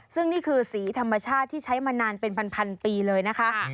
ซึ่งนี่คือสีธรรมชาติที่ใช้มานานเป็นพันปีเลยนะคะ